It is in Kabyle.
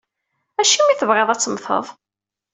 Acimi i tebɣiḍ ad temmteḍ?